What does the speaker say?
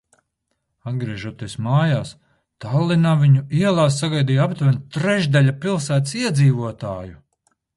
Atgriežoties mājās, Tallinā viņu ielās sagaidīja aptuveni trešdaļa pilsētas iedzīvotāju.